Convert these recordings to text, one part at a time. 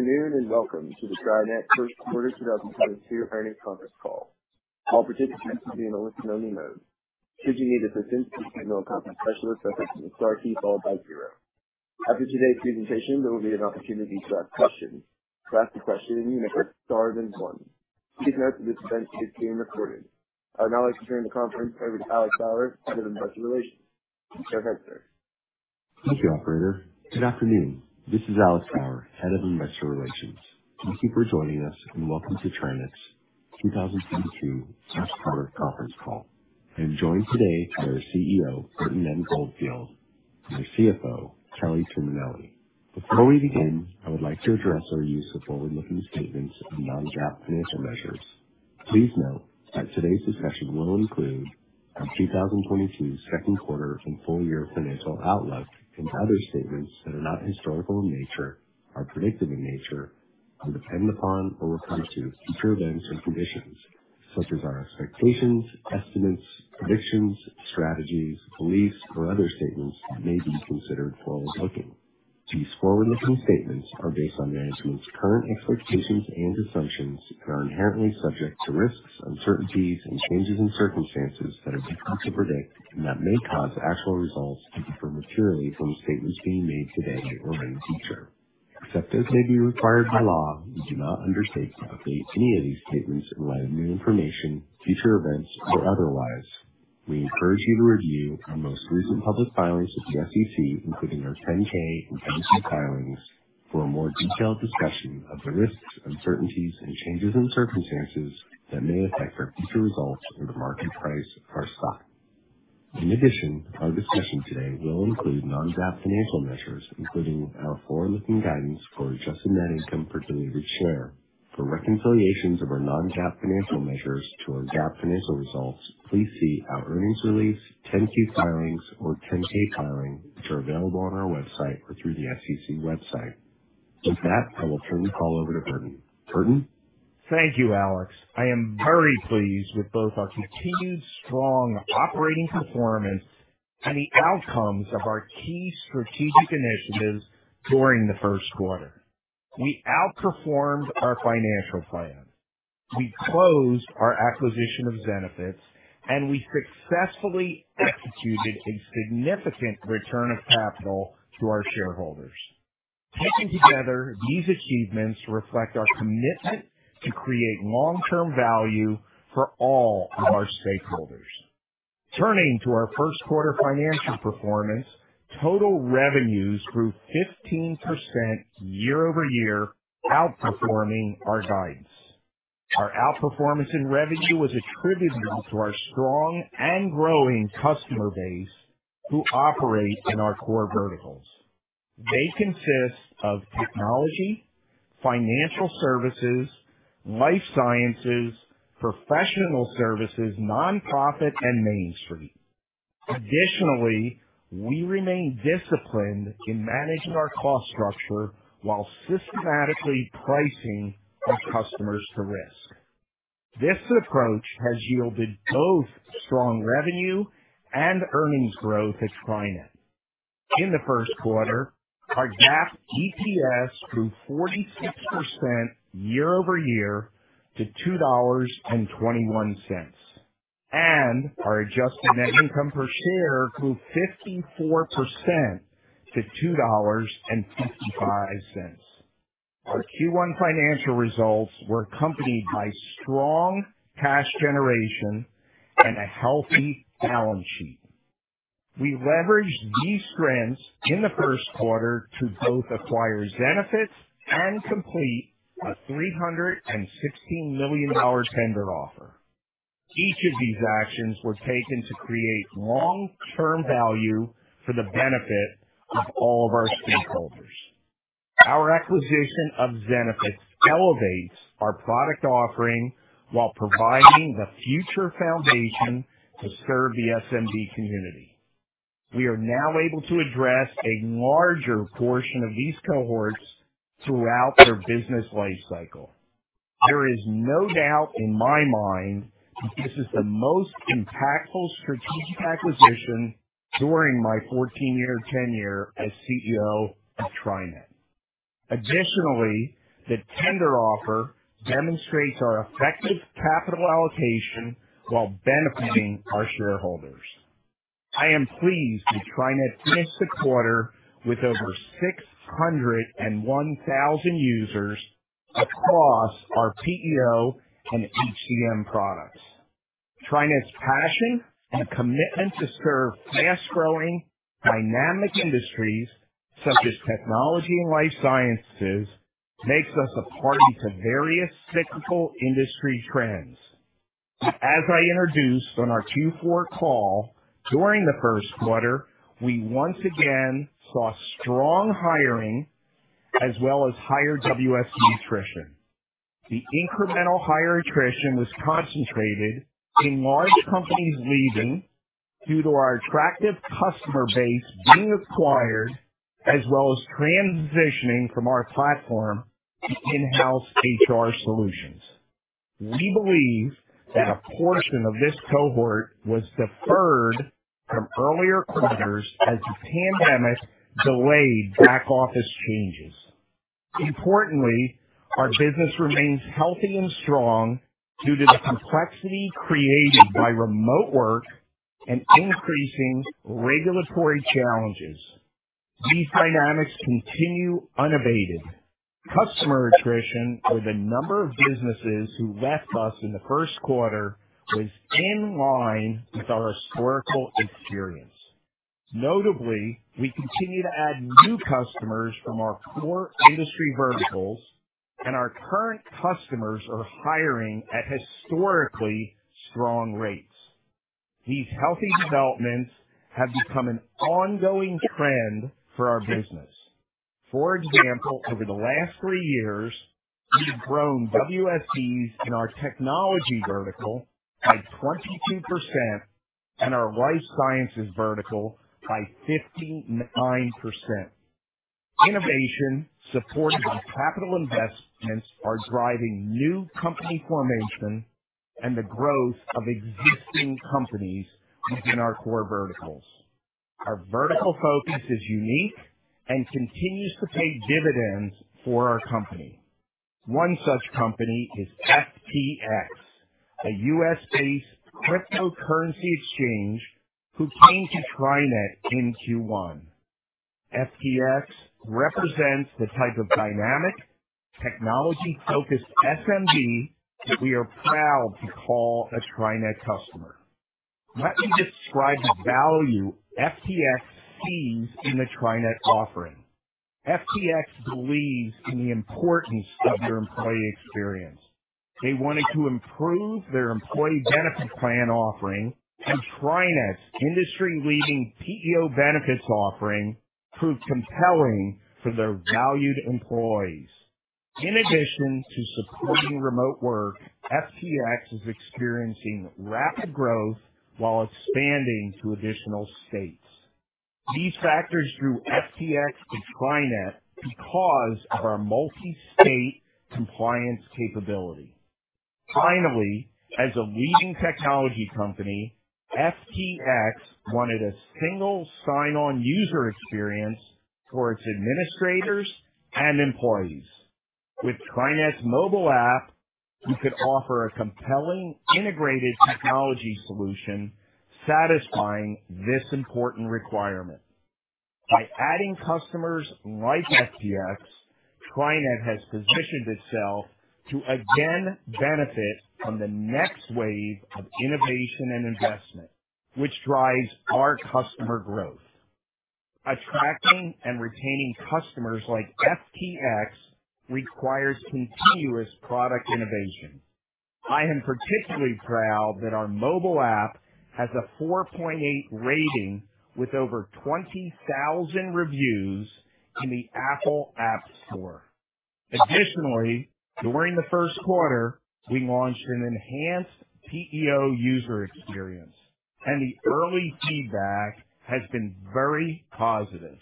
Good afternoon, and welcome to the TriNet First Quarter 2022 Earnings Conference Call. All participants will be in a listen only mode. Should you need assistance, please signal a conference specialist by pressing the star key followed by zero. After today's presentation, there will be an opportunity to ask questions. To ask a question, you may press star then one. Please note that this event is being recorded. I would now like to turn the conference over to Alex Bauer, Head of Investor Relations. Go ahead, sir. Thank you, operator. Good afternoon. This is Alex Bauer, Head of Investor Relations. Thank you for joining us, and welcome to TriNet's 2022 First Quarter Conference Call. I am joined today by our CEO, Burton M. Goldfield, and our CFO, Kelly Tuminelli. Before we begin, I would like to address our use of forward-looking statements and non-GAAP financial measures. Please note that today's discussion will include our 2022 second quarter and full year financial outlook and other statements that are not historical in nature, are predictive in nature, and depend upon or relate to future events and conditions, such as our expectations, estimates, predictions, strategies, beliefs, or other statements that may be considered forward-looking. These forward-looking statements are based on management's current expectations and assumptions and are inherently subject to risks, uncertainties, and changes in circumstances that are difficult to predict and that may cause actual results to differ materially from statements being made today or made in the future. Except as may be required by law, we do not undertake to update any of these statements in light of new information, future events, or otherwise. We encourage you to review our most recent public filings with the SEC, including our 10-K and 10-Q filings, for a more detailed discussion of the risks, uncertainties, and changes in circumstances that may affect our future results or the market price of our stock. In addition, our discussion today will include non-GAAP financial measures, including our forward-looking guidance for adjusted net income per delivered share. For reconciliations of our non-GAAP financial measures to our GAAP financial results, please see our earnings release, 10-Q filings, or 10-K filings, which are available on our website or through the SEC website. With that, I will turn the call over to Burton. Burton? Thank you, Alex. I am very pleased with both our continued strong operating performance and the outcomes of our key strategic initiatives during the first quarter. We outperformed our financial plan. We closed our acquisition of Zenefits, and we successfully executed a significant return of capital to our shareholders. Taken together, these achievements reflect our commitment to create long-term value for all of our stakeholders. Turning to our first quarter financial performance, total revenues grew 15% year-over-year, outperforming our guidance. Our outperformance in revenue was attributable to our strong and growing customer base who operate in our core verticals. They consist of technology, financial services, life sciences, professional services, nonprofit, and main street. Additionally, we remain disciplined in managing our cost structure while systematically pricing our customers to risk. This approach has yielded both strong revenue and earnings growth at TriNet. In the first quarter, our GAAP EPS grew 46% year-over-year to $2.21, and our adjusted net income per share grew 54% to $2.55. Our Q1 financial results were accompanied by strong cash generation and a healthy balance sheet. We leveraged these strengths in the first quarter to both acquire Zenefits and complete a $316 million tender offer. Each of these actions were taken to create long-term value for the benefit of all of our stakeholders. Our acquisition of Zenefits elevates our product offering while providing the future foundation to serve the SMB community. We are now able to address a larger portion of these cohorts throughout their business life cycle. There is no doubt in my mind that this is the most impactful strategic acquisition during my 14-year tenure as CEO of TriNet. Additionally, the tender offer demonstrates our effective capital allocation while benefiting our shareholders. I am pleased that TriNet finished the quarter with over 601,000 users across our PEO and HCM products. TriNet's passion and commitment to serve fast-growing dynamic industries such as technology and life sciences makes us a party to various cyclical industry trends. As I introduced on our Q4 call, during the first quarter, we once again saw strong hiring as well as higher WSE attrition. The incremental higher attrition was concentrated in large companies leaving due to our attractive customer base being acquired as well as transitioning from our platform to in-house HR solutions. We believe that a portion of this cohort was deferred from earlier quarters as the pandemic delayed back-office changes. Importantly, our business remains healthy and strong due to the complexity created by remote work and increasing regulatory challenges. These dynamics continue unabated. Customer attrition or the number of businesses who left us in the first quarter was in line with our historical experience. Notably, we continue to add new customers from our core industry verticals, and our current customers are hiring at historically strong rates. These healthy developments have become an ongoing trend for our business. For example, over the last three years, we've grown WSEs in our technology vertical by 22% and our life sciences vertical by 59%. Innovation supported by capital investments are driving new company formation and the growth of existing companies within our core verticals. Our vertical focus is unique and continues to pay dividends for our company. One such company is FTX, a U.S.-based cryptocurrency exchange who came to TriNet in Q1. FTX represents the type of dynamic, technology-focused SMB that we are proud to call a TriNet customer. Let me describe the value FTX sees in the TriNet offering. FTX believes in the importance of their employee experience. They wanted to improve their employee benefit plan offering, and TriNet's industry-leading PEO benefits offering proved compelling for their valued employees. In addition to supporting remote work, FTX is experiencing rapid growth while expanding to additional states. These factors drew FTX to TriNet because of our multi-state compliance capability. Finally, as a leading technology company, FTX wanted a single sign-on user experience for its administrators and employees. With TriNet's mobile app, we could offer a compelling integrated technology solution satisfying this important requirement. By adding customers like FTX, TriNet has positioned itself to again benefit from the next wave of innovation and investment, which drives our customer growth. Attracting and retaining customers like FTX requires continuous product innovation. I am particularly proud that our mobile app has a 4.8 rating with over 20,000 reviews in the Apple App Store. Additionally, during the first quarter, we launched an enhanced PEO user experience, and the early feedback has been very positive.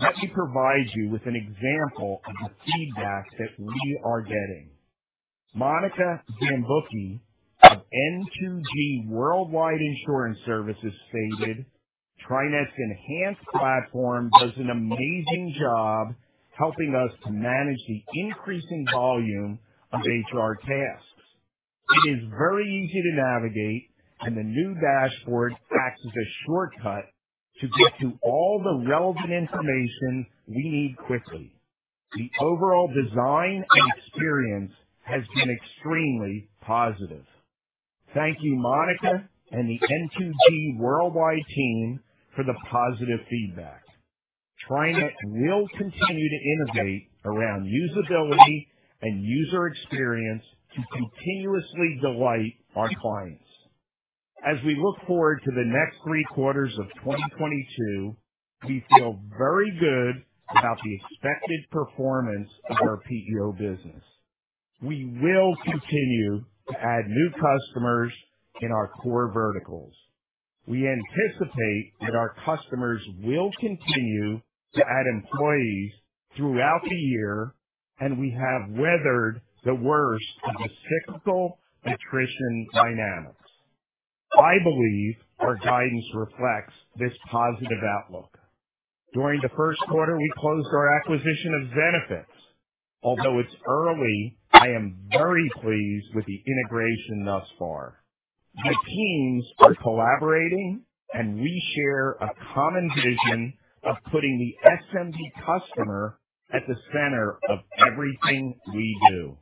Let me provide you with an example of the feedback that we are getting. Monica Zsamboky of N2G Worldwide Insurance Services stated, "TriNet's enhanced platform does an amazing job helping us to manage the increasing volume of HR tasks. It is very easy to navigate, and the new dashboard acts as a shortcut to get to all the relevant information we need quickly. The overall design and experience has been extremely positive." Thank you, Monica and the N2G Worldwide team, for the positive feedback. TriNet will continue to innovate around usability and user experience to continuously delight our clients. As we look forward to the next three quarters of 2022, we feel very good about the expected performance of our PEO business. We will continue to add new customers in our core verticals. We anticipate that our customers will continue to add employees throughout the year, and we have weathered the worst of the cyclical attrition dynamics. I believe our guidance reflects this positive outlook. During the first quarter, we closed our acquisition of Zenefits. Although it's early, I am very pleased with the integration thus far. The teams are collaborating, and we share a common vision of putting the SMB customer at the center of everything we do.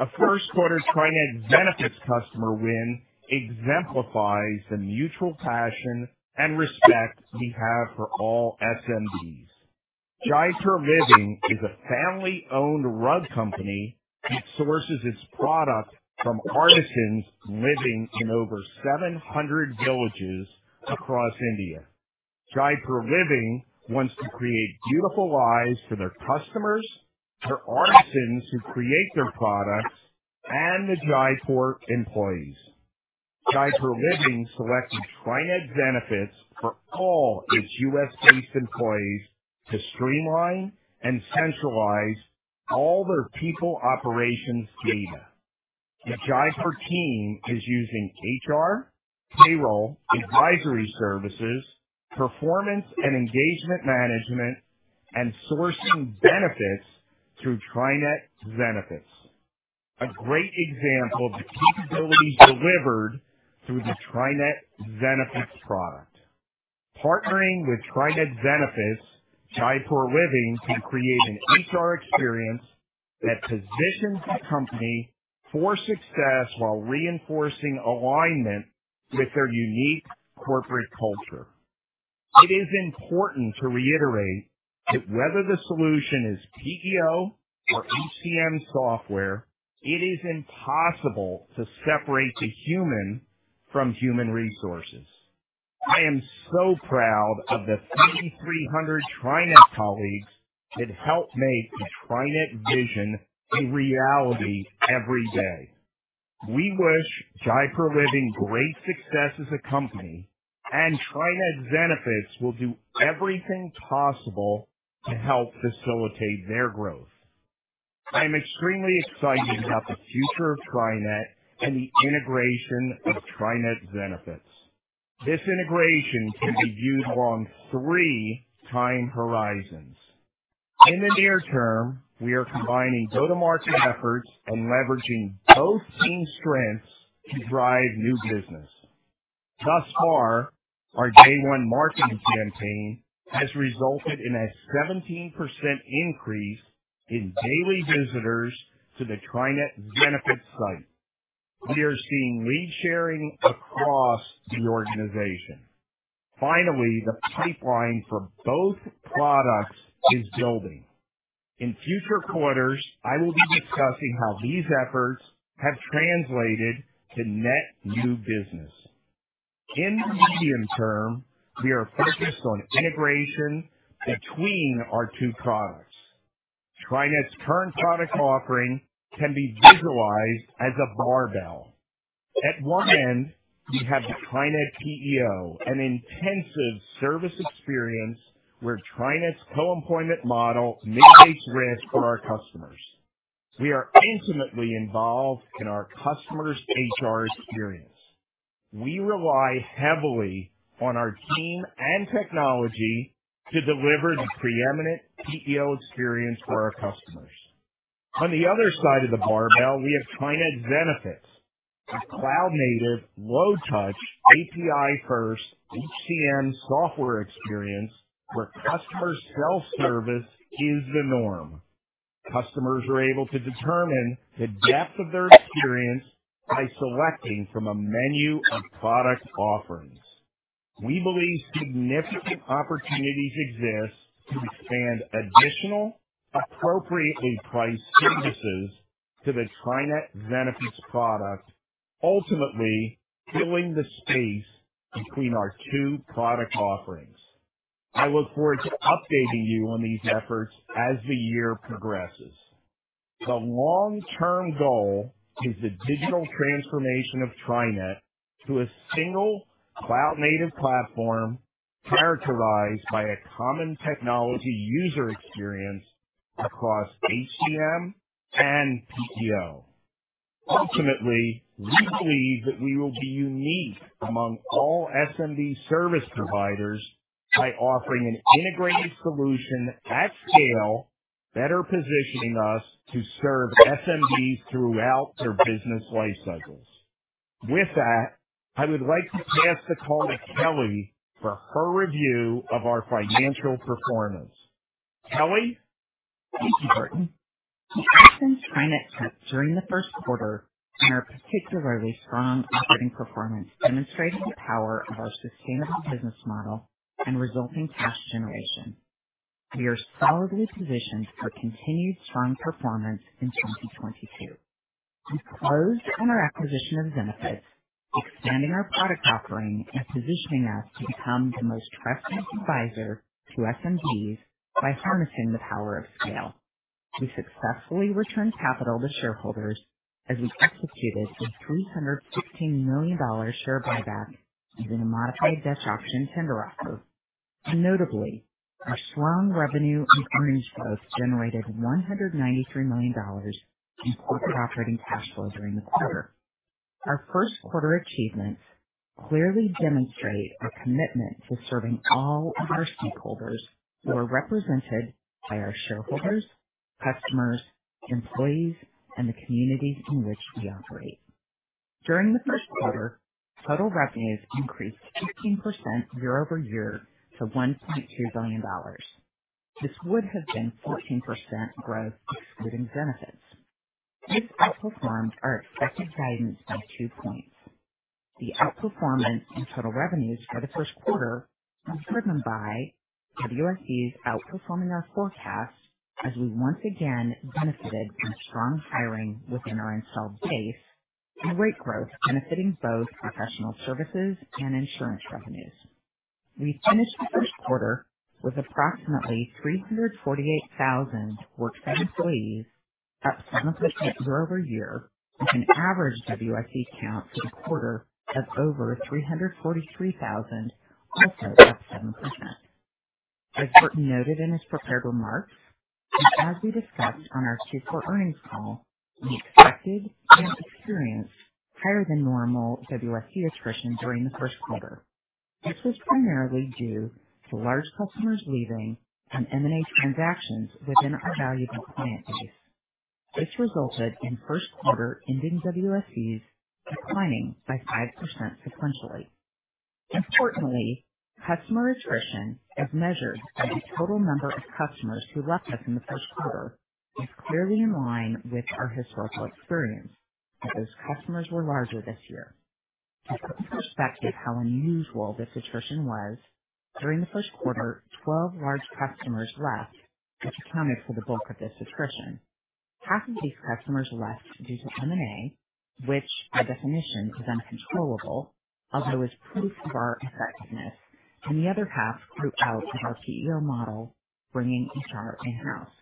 A first quarter TriNet Zenefits customer win exemplifies the mutual passion and respect we have for all SMBs. Jaipur Living is a family-owned rug company that sources its product from artisans living in over 700 villages across India. Jaipur Living wants to create beautiful lives for their customers, their artisans who create their products, and the Jaipur employees. Jaipur Living selected TriNet Zenefits for all its U.S.-based employees to streamline and centralize all their people operations data. The Jaipur team is using HR, payroll, advisory services, performance and engagement management, and sourcing benefits through TriNet Zenefits. A great example of the capabilities delivered through the TriNet Zenefits product. Partnering with TriNet Zenefits, Jaipur Living can create an HR experience that positions the company for success while reinforcing alignment with their unique corporate culture. It is important to reiterate that whether the solution is PEO or HCM software, it is impossible to separate the human from human resources. I am so proud of the 3,300 TriNet colleagues that help make the TriNet vision a reality every day. We wish Jaipur Living great success as a company, and TriNet Zenefits will do everything possible to help facilitate their growth. I am extremely excited about the future of TriNet and the integration of TriNet Zenefits. This integration can be viewed along three time horizons. In the near term, we are combining go-to-market efforts and leveraging both team strengths to drive new business. Thus far, our day one marketing campaign has resulted in a 17% increase in daily visitors to the TriNet Zenefits site. We are seeing lead sharing across the organization. Finally, the pipeline for both products is building. In future quarters, I will be discussing how these efforts have translated to net new business. In the medium term, we are focused on integration between our two products. TriNet's current product offering can be visualized as a barbell. At one end, we have TriNet PEO, an intensive service experience where TriNet's co-employment model mitigates risk for our customers. We are intimately involved in our customer's HR experience. We rely heavily on our team and technology to deliver the preeminent PEO experience for our customers. On the other side of the barbell, we have TriNet Zenefits, a cloud-native, low touch, API-first HCM software experience where customer self-service is the norm. Customers are able to determine the depth of their experience by selecting from a menu of product offerings. We believe significant opportunities exist to expand additional appropriately priced services to the TriNet Zenefits product, ultimately filling the space between our two product offerings. I look forward to updating you on these efforts as the year progresses. The long-term goal is the digital transformation of TriNet to a single cloud-native platform characterized by a common technology user experience across HCM and PEO. Ultimately, we believe that we will be unique among all SMB service providers by offering an integrated solution at scale, better positioning us to serve SMBs throughout their business life cycles. With that, I would like to pass the call to Kelly for her review of our financial performance. Kelly. Thank you, Burton. The actions TriNet took during the first quarter and our particularly strong operating performance demonstrated the power of our sustainable business model and resulting cash generation. We are solidly positioned for continued strong performance in 2022. We closed on our acquisition of Zenefits, expanding our product offering and positioning us to become the most trusted advisor to SMBs by harnessing the power of scale. We successfully returned capital to shareholders as we executed a $316 million share buyback using a modified Dutch auction tender offer. Notably, our strong revenue and earnings growth generated $193 million in corporate operating cash flow during the quarter. Our first quarter achievements clearly demonstrate our commitment to serving all of our stakeholders who are represented by our shareholders, customers, employees, and the communities in which we operate. During the first quarter, total revenues increased 15% year-over-year to $1.2 billion. This would have been 14% growth excluding benefits. This outperformed our expected guidance by two points. The outperformance in total revenues for the first quarter was driven by WSEs outperforming our forecasts as we once again benefited from strong hiring within our installed base and rate growth benefiting both professional services and insurance revenues. We finished the first quarter with approximately 348,000 worksite employees, up 7% year-over-year, with an average WSE count for the quarter of over 343,000, also up 7%. As Burton noted in his prepared remarks, and as we discussed on our Q4 earnings call, we expected and experienced higher than normal WSE attrition during the first quarter. This was primarily due to large customers leaving and M&A transactions within our valuable client base. This resulted in first quarter ending WSEs declining by 5% sequentially. Importantly, customer attrition, as measured by the total number of customers who left us in the first quarter, was clearly in line with our historical experience, but those customers were larger this year. To put in perspective how unusual this attrition was, during the first quarter, 12 large customers left, which accounted for the bulk of this attrition. Half of these customers left due to M&A, which by definition is uncontrollable, although is proof of our effectiveness, and the other half grew out of our PEO model, bringing HR in-house.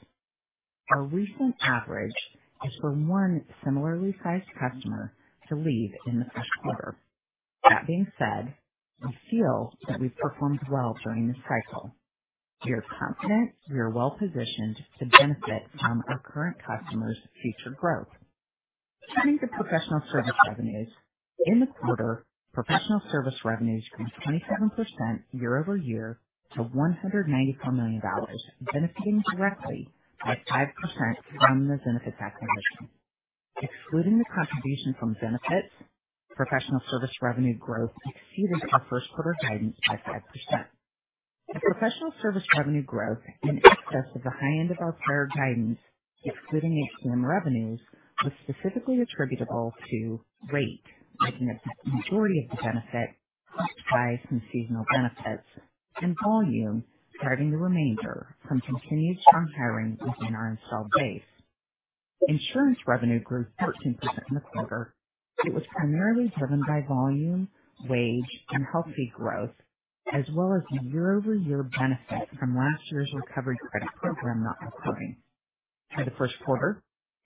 Our recent average is for one similarly sized customer to leave in the first quarter. That being said, we feel that we performed well during this cycle. We are confident we are well-positioned to benefit from our current customers' future growth. Turning to professional service revenues. In the quarter, professional service revenues grew 27% year-over-year to $194 million, benefiting directly by 5% from the Zenefits acquisition. Excluding the contribution from Zenefits, professional service revenue growth exceeded our first quarter guidance by 5%. The professional service revenue growth in excess of the high end of our prior guidance, excluding HCM revenues, was specifically attributable to rate, making up the majority of the benefit, plus size from seasonal benefits, and volume driving the remainder from continued strong hiring within our installed base. Insurance revenue grew 13% in the quarter. It was primarily driven by volume, wage, and healthy growth, as well as year-over-year benefit from last year's Recovery Credit program not occurring. For the first quarter,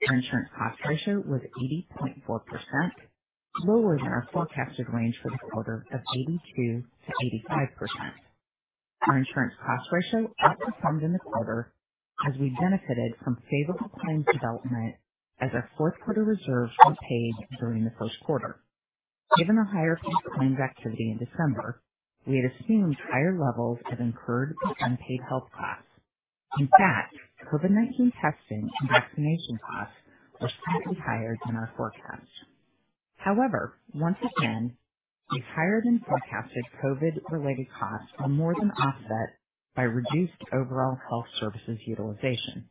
our insurance cost ratio was 80.4%, lower than our forecasted range for the quarter of 82%-85%. Our insurance cost ratio outperformed in the quarter as we benefited from favorable claims development as our fourth quarter reserves were paid during the first quarter. Given the higher paid claims activity in December, we had assumed higher levels of incurred but unpaid health costs. In fact, COVID-19 testing and vaccination costs were slightly higher than our forecast. However, once again, these higher than forecasted COVID related costs are more than offset by reduced overall health services utilization.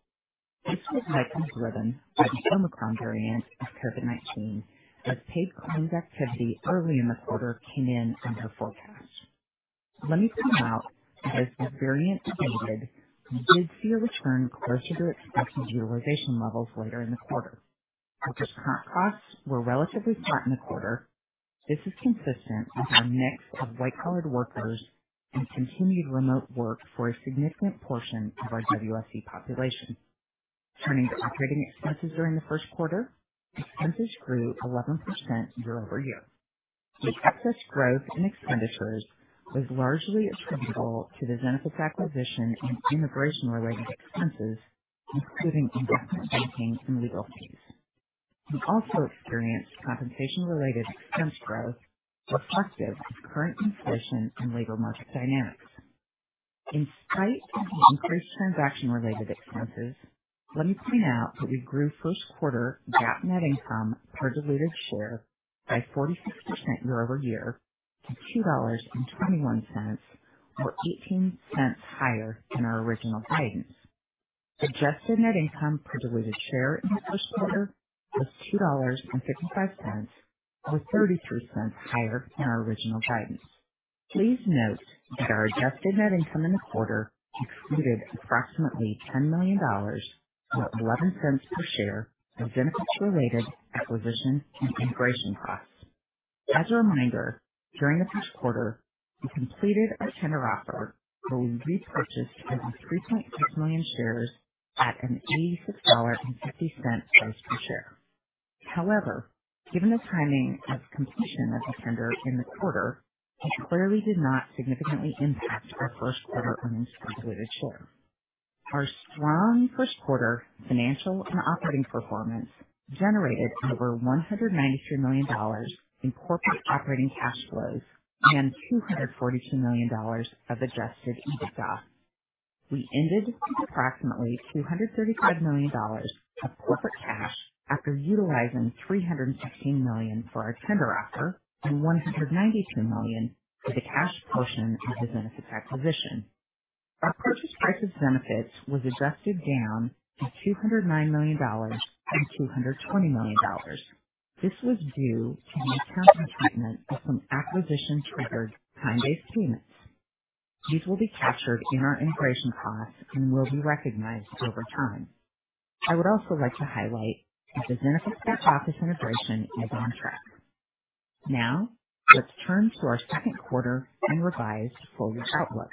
This was likely driven by the Omicron variant of COVID-19, as paid claims activity early in the quarter came in under forecast. Let me point out that as the variant abated, we did see a return closer to expected utilization levels later in the quarter. Our drug costs were relatively flat in the quarter. This is consistent with our mix of white-collar workers and continued remote work for a significant portion of our WSE population. Turning to operating expenses during the first quarter, expenses grew 11% year-over-year. The excess growth in expenditures was largely attributable to the Zenefits acquisition and integration-related expenses, including investment banking and legal fees. We also experienced compensation-related expense growth reflective of current inflation and labor market dynamics. In spite of the increased transaction-related expenses, let me point out that we grew first quarter GAAP net income per diluted share by 46% year-over-year to $2.21, or $0.18 higher than our original guidance. Adjusted net income per diluted share in the first quarter was $2.55, or $0.33 higher than our original guidance. Please note that our adjusted net income in the quarter included approximately $10 million, or $0.11 per share, of Zenefits related acquisition and integration costs. As a reminder, during the first quarter, we completed our tender offer where we repurchased almost 3.8 million shares at an $86.50 price per share. However, given the timing of completion of the tender in the quarter, it clearly did not significantly impact our first quarter earnings per diluted share. Our strong first quarter financial and operating performance generated over $193 million in corporate operating cash flows and $242 million of adjusted EBITDA. We ended with approximately $235 million of corporate cash after utilizing $316 million for our tender offer and $193 million for the cash portion of the Zenefits acquisition. Our purchase price of Zenefits was adjusted down to $209 million from $220 million. This was due to an accounting treatment of some acquisition triggered time-based payments. These will be captured in our integration costs and will be recognized over time. I would also like to highlight that the Zenefits back office integration is on track. Now, let's turn to our second quarter and revised full year outlook,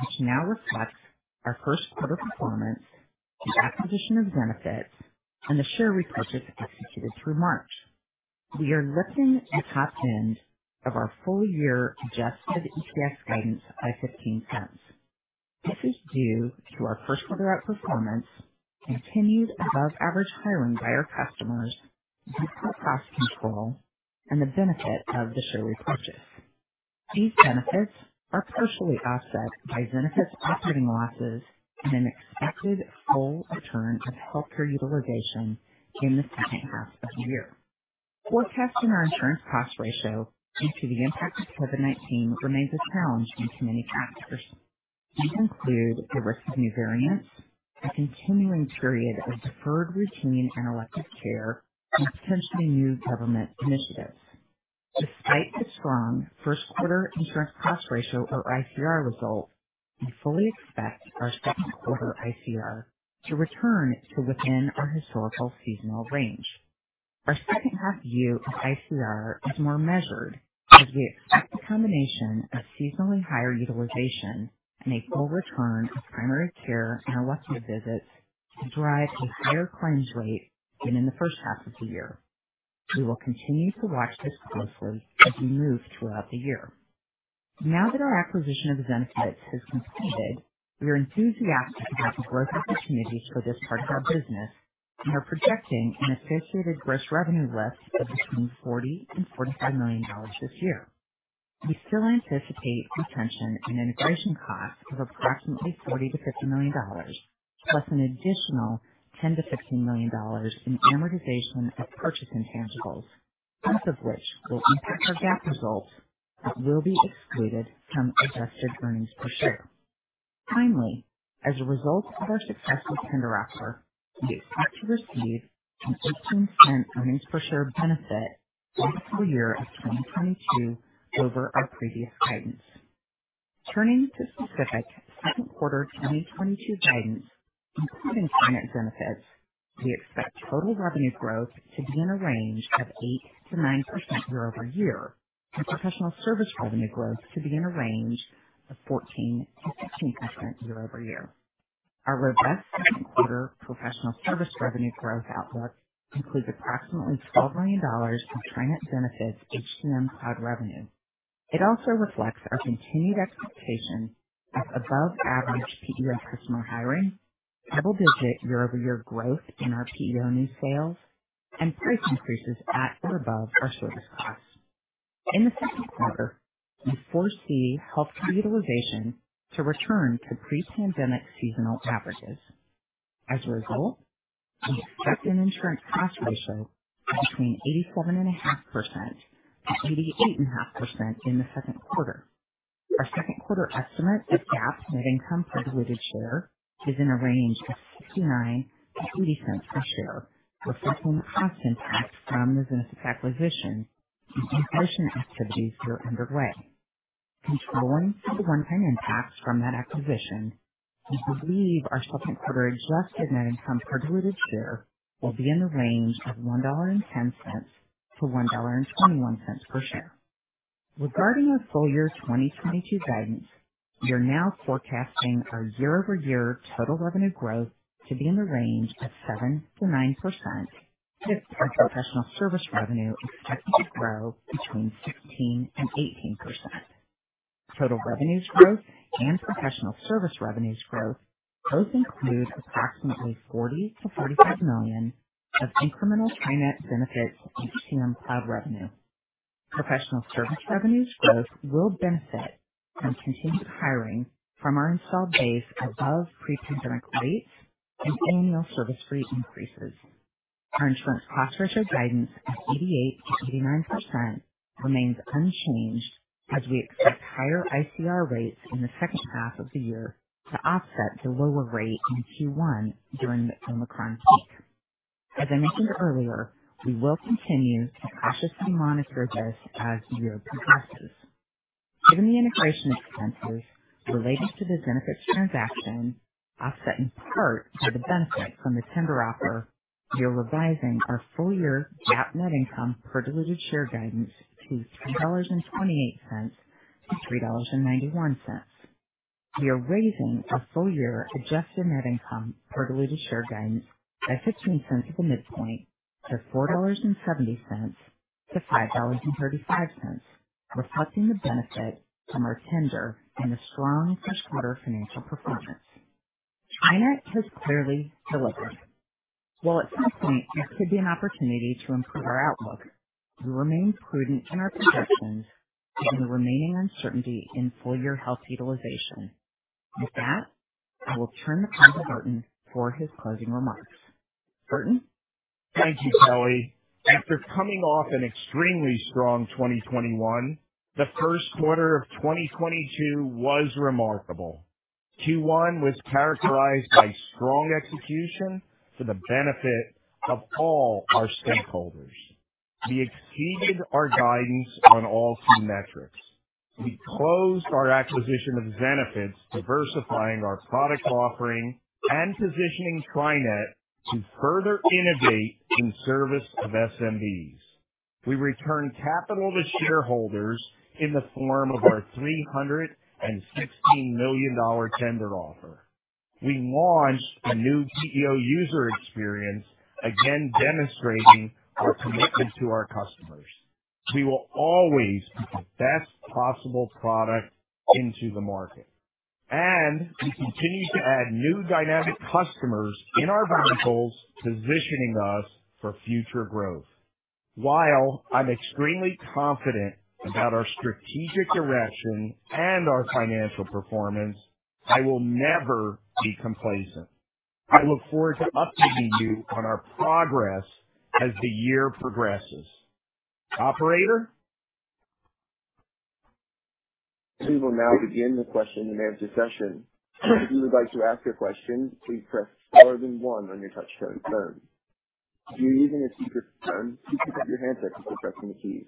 which now reflects our first quarter performance, the acquisition of Zenefits, and the share repurchase executed through March. We are lifting the top end of our full year adjusted EPS guidance by $0.15. This is due to our first quarter outperformance, continued above average hiring by our customers, disciplined cost control, and the benefit of the share repurchase. These benefits are partially offset by Zenefits operating losses and an expected full return of healthcare utilization in the second half of the year. Forecasting our insurance cost ratio due to the impact of COVID-19 remains a challenge due to many factors. These include the risk of new variants, a continuing period of deferred routine and elective care, and potentially new government initiatives. Despite the strong first quarter insurance cost ratio or ICR results, we fully expect our second quarter ICR to return to within our historical seasonal range. Our second half view of ICR is more measured as we expect the combination of seasonally higher utilization and a full return of primary care and elective visits to drive a higher claims rate than in the first half of the year. We will continue to watch this closely as we move throughout the year. Now that our acquisition of Zenefits has completed, we are enthusiastic about the growth opportunities for this part of our business and are projecting an associated gross revenue lift of between $40 million and $45 million this year. We still anticipate retention and integration costs of approximately $40 million-$50 million, plus an additional $10 million-$15 million in amortization of purchase intangibles, none of which will impact our GAAP results but will be excluded from adjusted earnings per share. Finally, as a result of our success with tender offer, we expect to receive a $0.18 EPS benefit for the full year of 2022 over our previous guidance. Turning to specific second quarter 2022 guidance, including TriNet Zenefits, we expect total revenue growth to be in a range of 8%-9% year-over-year, and professional service revenue growth to be in a range of 14%-16% year-over-year. Our robust second quarter professional service revenue growth outlook includes approximately $12 million in TriNet Zenefits HCM cloud revenue. It also reflects our continued expectation of above average PEO customer hiring, double-digit year-over-year growth in our PEO new sales, and price increases at or above our service costs. In the second quarter, we foresee healthcare utilization to return to pre-pandemic seasonal averages. As a result, we expect an insurance cost ratio between 84.5% and 88.5% in the second quarter. Our second quarter estimate of GAAP net income per diluted share is in a range of $0.69-$0.80 per share, reflecting the cost impact from the Zenefits acquisition and integration activities that are underway. Controlling for the one-time impact from that acquisition, we believe our second quarter adjusted net income per diluted share will be in the range of $1.10-$1.21 per share. Regarding our full year 2022 guidance, we are now forecasting our year-over-year total revenue growth to be in the range of 7%-9% with our professional service revenue expected to grow between 16% and 18%. Total revenues growth and professional service revenues growth both include approximately $40 million-$45 million of incremental TriNet Zenefits HCM cloud revenue. Professional service revenues growth will benefit from continued hiring from our installed base above pre-pandemic rates and annual service fee increases. Our insurance cost ratio guidance of 88%-89% remains unchanged as we expect higher ICR rates in the second half of the year to offset the lower rate in Q1 during the Omicron peak. As I mentioned earlier, we will continue to cautiously monitor this as the year progresses. Given the integration expenses related to the Zenefits transaction, offset in part by the benefit from the tender offer, we are revising our full year GAAP net income per diluted share guidance to $3.28-$3.91. We are raising our full-year adjusted net income per diluted share guidance by $0.15 at the midpoint to $4.70-$5.35, reflecting the benefit from our tender and the strong first quarter financial performance. TriNet has clearly delivered. While at some point this could be an opportunity to improve our outlook, we remain prudent in our projections given the remaining uncertainty in full-year health utilization. With that, I will turn it over to Burton for his closing remarks. Burton? Thank you, Kelly. After coming off an extremely strong 2021, the first quarter of 2022 was remarkable. Q1 was characterized by strong execution for the benefit of all our stakeholders. We exceeded our guidance on all key metrics. We closed our acquisition of Zenefits, diversifying our product offering and positioning TriNet to further innovate in service of SMBs. We returned capital to shareholders in the form of our $316 million tender offer. We launched a new PEO user experience, again demonstrating our commitment to our customers. We will always put the best possible product into the market. We continue to add new dynamic customers in our verticals, positioning us for future growth. While I'm extremely confident about our strategic direction and our financial performance, I will never be complacent. I look forward to updating you on our progress as the year progresses. Operator? We will now begin the question and answer session. If you would like to ask a question, please press star then one on your touchscreen phone. If you're using a speakerphone, please pick up your handset before pressing the keys.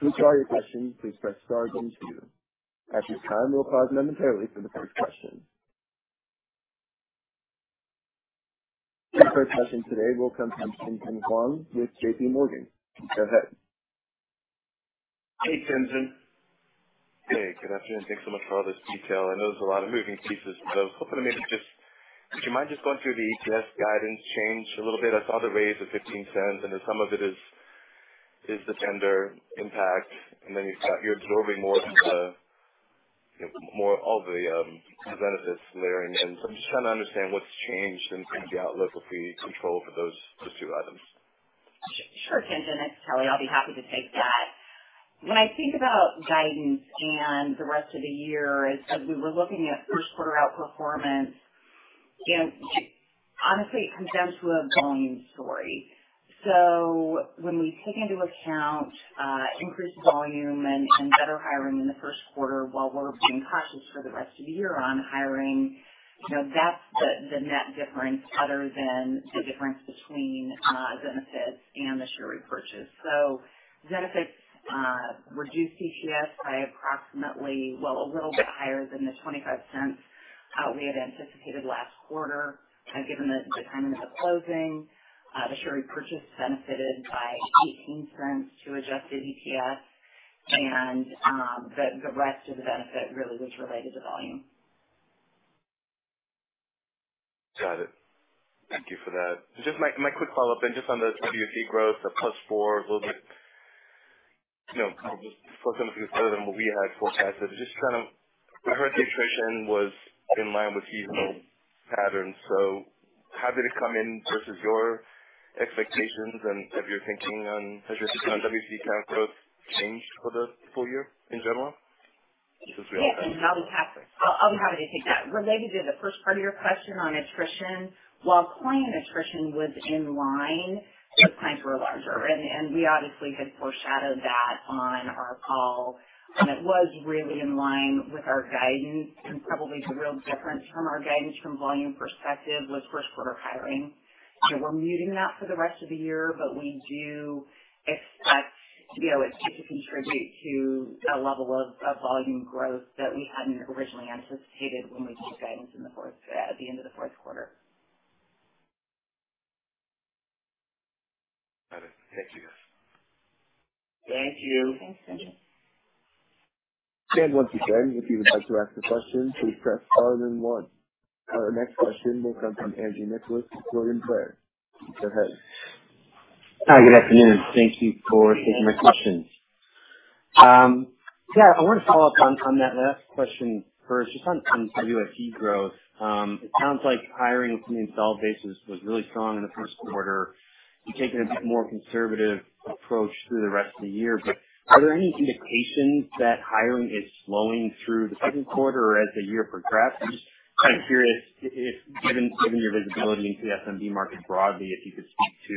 To withdraw your question, please press star then two. At this time, we'll pause momentarily for the first question. The first question today will come from Tien-Tsin Huang with JPMorgan. Go ahead. Hey, Tien-Tsin. Hey, good afternoon. Thanks so much for all this detail. I know there's a lot of moving pieces, so hopefully maybe just would you mind just going through the EPS guidance change a little bit? I saw the raise of $0.15, and then some of it is the vendor impact, and then you're absorbing more of the, you know, more all the, benefits layering in. I'm just trying to understand what's changed in terms of the outlook for fee control for those two items. Sure, Tien-Tsin Huang. It's Kelly. I'll be happy to take that. When I think about guidance and the rest of the year, as we were looking at first quarter outperformance, you know, honestly it comes down to a volume story. When we take into account increased volume and better hiring in the first quarter, while we're being cautious for the rest of the year on hiring, you know, that's the net difference other than the difference between Zenefits and the share repurchase. Zenefits reduced EPS by approximately, well, a little bit higher than the $0.25 we had anticipated last quarter given the timing of the closing. The share repurchase benefited by $0.18 to adjusted EPS. The rest of the benefit really was related to volume. Got it. Thank you for that. Just my quick follow up then, just on the WSE growth, the +4%, a little bit, you know, just stronger than what we had forecasted. We heard the attrition was in line with seasonal patterns, so happy it came in versus your expectations. And what's your thinking on, has your WSE count growth changed for the full year in general? Yeah, I'll be happy to take that. Related to the first part of your question on attrition, while client attrition was in line, those clients were larger and we obviously had foreshadowed that on our call. It was really in line with our guidance. Probably the real difference from our guidance from volume perspective was first quarter hiring. You know, we're muting that for the rest of the year, but we do expect PEO it to contribute to a level of volume growth that we hadn't originally anticipated when we gave guidance in the fourth quarter at the end of the fourth quarter. Got it. Thank you. Thank you. Thanks, Tien-Tsin. Once again, if you would like to ask a question, please press star then one. Our next question will come from Andrew Nicholas with William Blair. Go ahead. Hi. Good afternoon. Thank you for taking my questions. Yeah, I want to follow up on that last question first, just on WSE growth. It sounds like hiring from the installed base was really strong in the first quarter. You're taking a bit more conservative approach through the rest of the year, but are there any indications that hiring is slowing through the second quarter or as the year progressed? I'm just kind of curious if given your visibility into the SMB market broadly, if you could speak to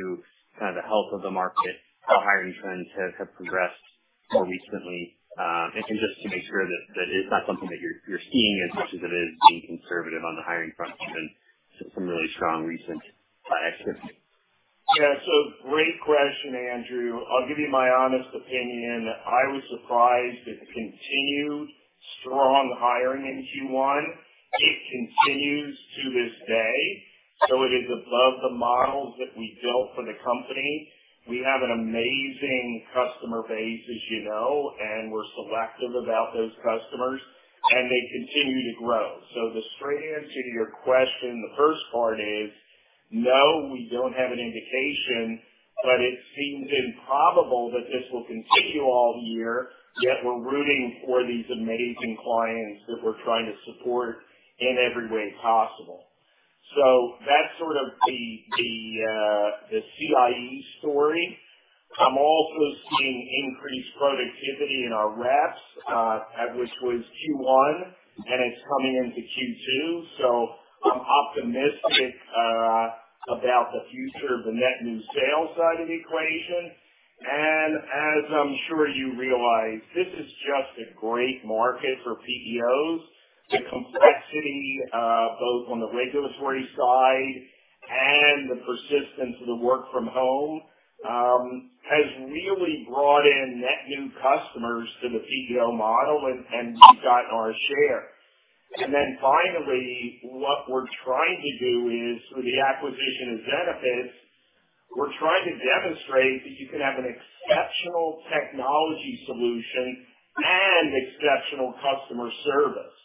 kind of the health of the market, how hiring trends have progressed more recently. Just to make sure that it's not something that you're seeing as much as it is being conservative on the hiring front given some really strong recent activity. Yeah. Great question, Andrew. I'll give you my honest opinion. I was surprised at the continued strong hiring in Q1. It continues to this day, so it is above the models that we built for the company. We have an amazing customer base, as you know, and we're selective about those customers, and they continue to grow. The straight answer to your question, the first part is, no, we don't have an indication, but it seems improbable that this will continue all year. Yet we're rooting for these amazing clients that we're trying to support in every way possible. That's sort of the CIE story. I'm also seeing increased productivity in our reps, at which was Q1, and it's coming into Q2. I'm optimistic about the future of the net new sales side of the equation. As I'm sure you realize, this is just a great market for PEOs. The complexity, both on the regulatory side and the persistence of the work from home, has really brought in net new customers to the PEO model, and we've got our share. Then finally, what we're trying to do is through the acquisition of Zenefits, we're trying to demonstrate that you can have an exceptional technology solution and exceptional customer service.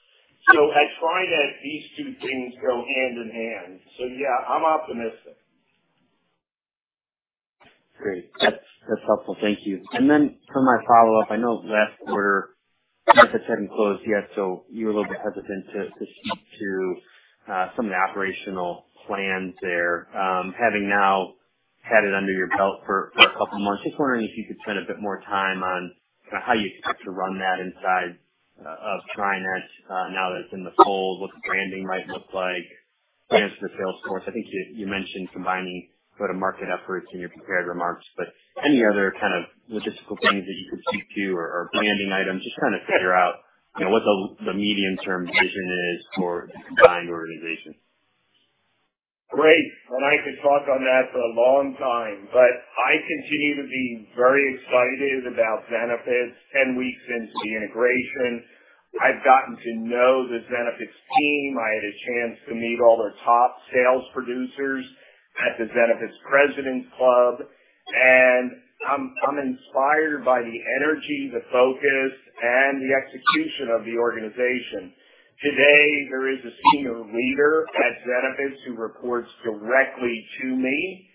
I find that these two things go hand in hand. Yeah, I'm optimistic. Great. That's helpful. Thank you. For my follow-up, I know last quarter, Zenefits hadn't closed yet, so you were a little bit hesitant to speak to some of the operational plans there. Having now had it under your belt for a couple of months, just wondering if you could spend a bit more time on kinda how you expect to run that inside of TriNet, now that it's in the fold, what the branding might look like. Plans for the sales force. I think you mentioned combining go-to-market efforts in your prepared remarks, but any other kind of logistical things that you could speak to or branding items, just trying to figure out, you know, what the medium-term vision is for this combined organization. Great. I could talk on that for a long time, but I continue to be very excited about Zenefits. 10 weeks into the integration, I've gotten to know the Zenefits team. I had a chance to meet all their top sales producers at the Zenefits President's Club, and I'm inspired by the energy, the focus, and the execution of the organization. Today, there is a senior leader at Zenefits who reports directly to me,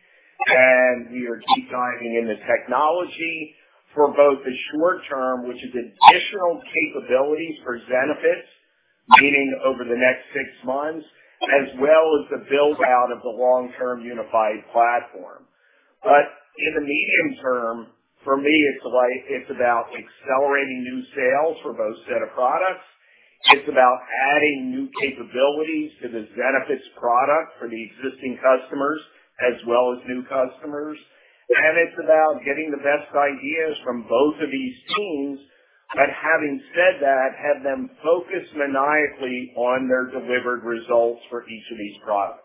and we are deep diving in the technology for both the short term, which is additional capabilities for Zenefits, meaning over the next six months, as well as the build-out of the long-term unified platform. In the medium term, for me, it's like, it's about accelerating new sales for both set of products. It's about adding new capabilities to the Zenefits product for the existing customers as well as new customers. It's about getting the best ideas from both of these teams. Having said that, have them focus maniacally on their delivered results for each of these products.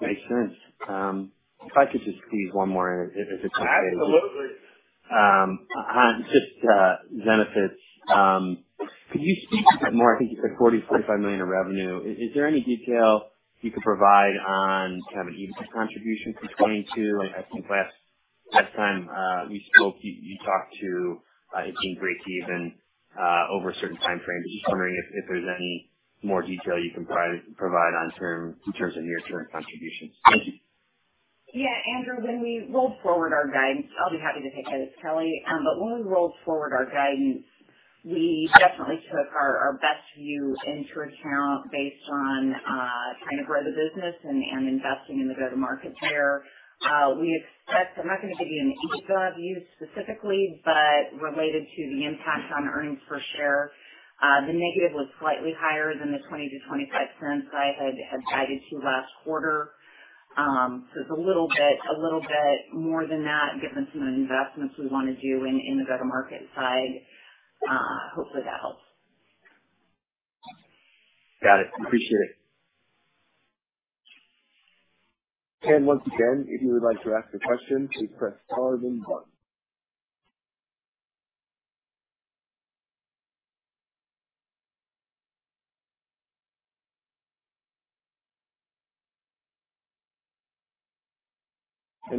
Makes sense. If I could just squeeze one more in, if it's okay with you. Absolutely. Just on Zenefits. Could you speak a bit more? I think you said $40 million-$45 million in revenue. Is there any detail you could provide on kind of an EBITDA contribution for 2022? I think last time we spoke, you talked about it being breakeven over a certain time frame, but just wondering if there's any more detail you can provide on that, in terms of near-term contributions. Thank you. Yeah. Andrew, when we rolled forward our guidance, I'll be happy to take that. It's Kelly. When we rolled forward our guidance, we definitely took our best view into account based on kind of where the business and investing in the go-to-market there. We expect. I'm not gonna give you an EBITDA view specifically, but related to the impact on earnings per share, the negative was slightly higher than the $0.20-$0.25 I had guided to last quarter. It's a little bit more than that given some of the investments we wanna do in the go-to-market side. Hopefully that helps. Got it. Appreciate it. Once again, if you would like to ask a question, please press star,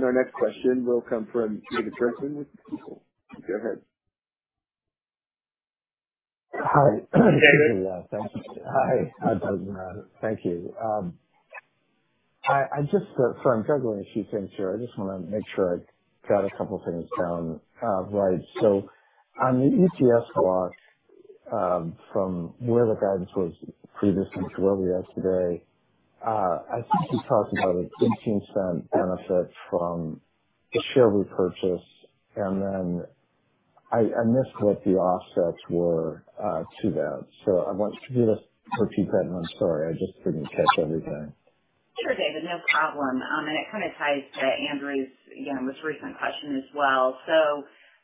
one. Our next question will come from David Grossman with Stifel. Go ahead. Hi. Hi, David. Yeah. Thank you. Hi. Hi, Burton and Kelly. Thank you. I just, so I'm juggling a few things here. I just want to make sure I got a couple things down, right. On the EPS loss, from where the guidance was previously to where we are today, I think you talked about a $0.15 benefit from the share repurchase, and then I missed what the offsets were, to that. I want to do this for cheap. I'm sorry, I just couldn't catch everything. Sure, David. No problem. It kind of ties to Andrew's, you know, most recent question as well.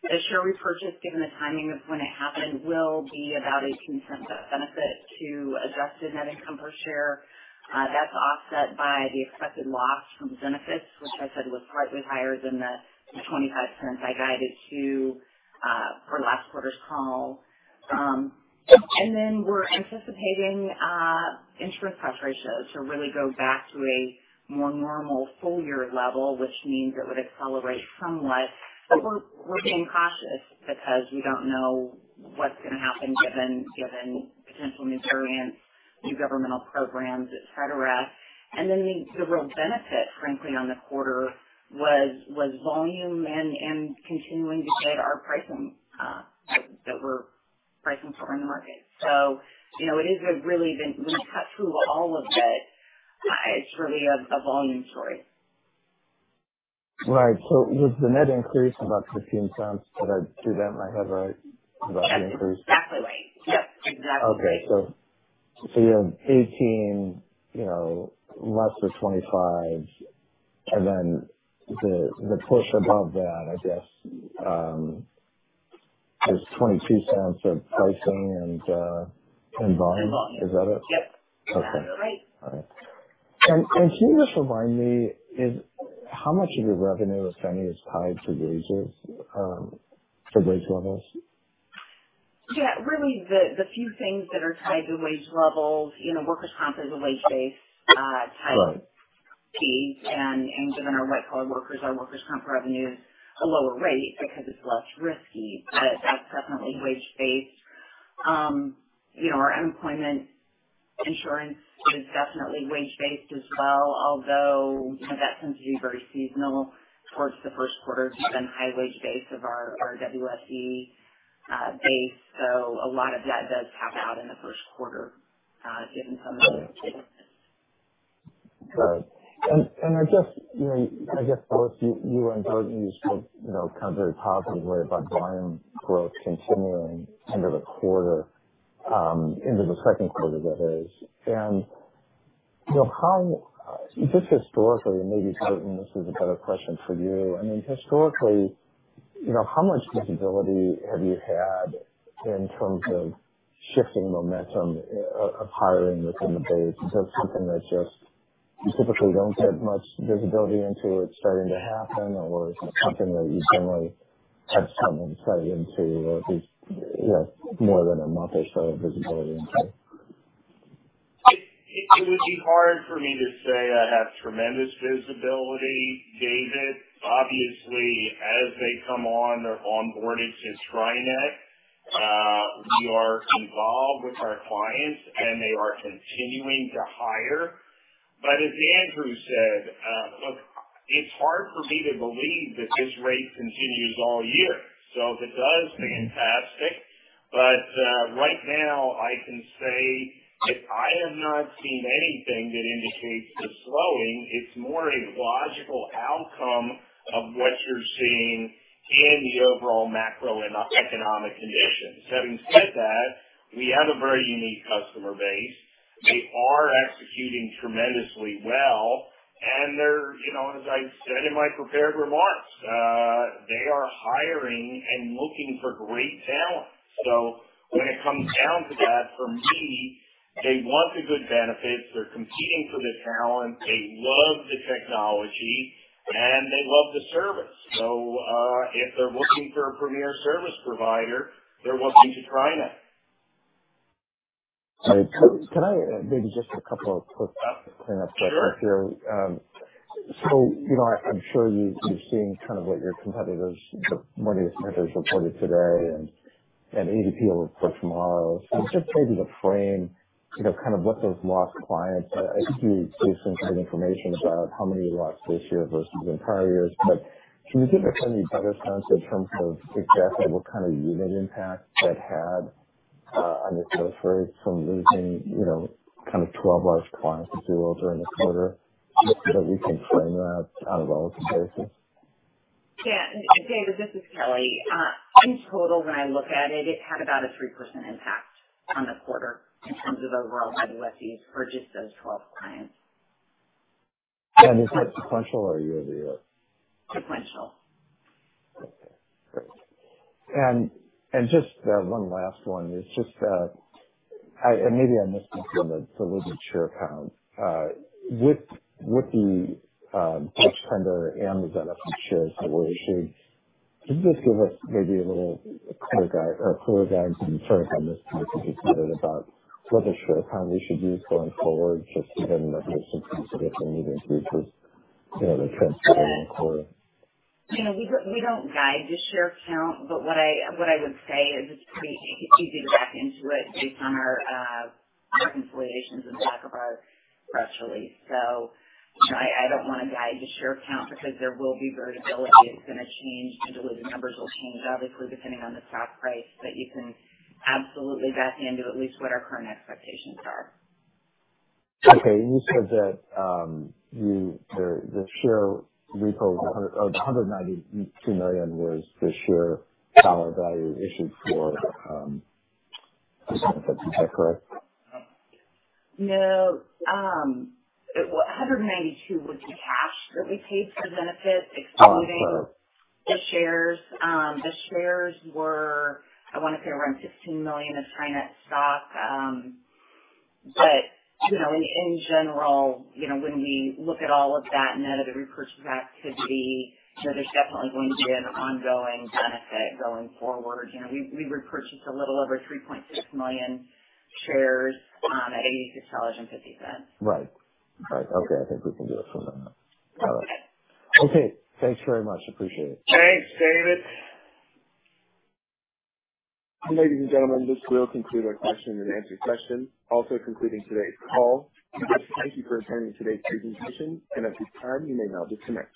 The share repurchase, given the timing of when it happened, will be about a $0.10 benefit to adjusted net income per share. That's offset by the expected loss from Zenefits, which I said was slightly higher than the $0.25 I guided to, for last quarter's call. Then we're anticipating insurance cost ratios to really go back to a more normal full year level, which means it would accelerate somewhat. We're being cautious because we don't know what's gonna happen given potential new variants, new governmental programs, et cetera. Then the real benefit, frankly, on the quarter was volume and continuing to get our pricing that we're pricing for in the market. You know, when you cut through all of it's really a volume story. Right. With the net increase of about $0.15 to that, do I have that right about the increase? Yes. Exactly right. Yep. Exactly. You have $0.18, you know, less than $0.25 and then the push above that, I guess. There's $0.22 of pricing and volume. Volume. Is that it? Yep. Okay. That's right. All right. Can you just remind me, is how much of your revenue, if any, is tied to wages, to wage levels? Yeah, really the few things that are tied to wage levels, you know, workers' comp is a wage-based type- Right. -fee. Given our white collar workers, our workers' comp revenue is a lower rate because it's less risky. But that's definitely wage based. You know, our unemployment insurance is definitely wage based as well, although, you know, that tends to be very seasonal towards the first quarter, given the high wage base of our WSE base. A lot of that does cap out in the first quarter, given some of the seasonality. Right. I just, you know, I guess both you and Burton, you spoke, you know, kind of very positively about volume growth continuing into the quarter, into the second quarter, that is. You know, how just historically, and maybe, Burton, this is a better question for you. I mean, historically, you know, how much visibility have you had in terms of shifting momentum of hiring within the base? Is this something that just you typically don't have much visibility into? It's starting to happen? Or is it something that you generally have some insight into or at least, you know, more than a month or so of visibility into? It would be hard for me to say I have tremendous visibility, David. Obviously, as they come on, they're onboarded to TriNet. We are involved with our clients and they are continuing to hire. As Andrew said, look, it's hard for me to believe that this rate continues all year. If it does, fantastic. Right now, I can say I have not seen anything that indicates the slowing. It's more a logical outcome of what you're seeing in the overall macroeconomic conditions. Having said that, we have a very unique customer base. They are executing tremendously well and they're, you know, as I said in my prepared remarks, they are hiring and looking for great talent. When it comes down to that, for me, they want the good benefits. They're competing for the talent, they love the technology and they love the service. If they're looking for a premier service provider, they're looking to TriNet. All right. Can I maybe just a couple of quick questions to clean up. Sure. I'm sure you've seen kind of what your competitors, one of your competitors reported today and ADP will report tomorrow. Just maybe to frame, you know, kind of what those lost clients. I think you gave some kind of information about how many you lost this year versus in prior years. Can you give us any better sense in terms of exactly what kind of unit impact that had on the growth rate from losing, you know, kind of 12 large clients if you will, during the quarter, so that we can frame that on a relative basis? Yeah. David, this is Kelly. In total, when I look at it had about a 3% impact on the quarter in terms of overall WSEs for just those 12 clients. Is that sequential or year-over-year? Sequential. Okay, great. Just one last one. It's just, maybe I missed this in the preliminary share count. With the Dutch tender and the benefit shares that were issued, can you just give us maybe a little clearer guidance. I'm sorry if I missed it, but I just wondered about what the share count we should use going forward, just given the participation from the different meeting groups with, you know, the trends for the quarter. You know, we don't guide the share count, but what I would say is it's pretty easy to back into it based on our consolidations in the back of our press release. You know, I don't want to guide the share count because there will be variability. It's going to change. The dilutive numbers will change, obviously, depending on the stock price, but you can absolutely back into at least what our current expectations are. Okay. You said that the share repo of $192 million was the share dollar value issued for the benefits. Is that correct? No. $192 million was the cash that we paid for benefits- Oh, okay. Excluding the shares. The shares were, I want to say, around 15 million of TriNet stock. You know, in general, you know, when we look at all of that net of the repurchase activity, you know, there's definitely going to be an ongoing benefit going forward. You know, we repurchased a little over 3.6 million shares at $86.50. Right. Okay. I think we can do it from there. Got it. Okay. Okay. Thanks very much. Appreciate it. Thanks, David. Ladies and gentlemen, this will conclude our question and answer session, also concluding today's call. Thank you for attending today's presentation, and at this time, you may now disconnect.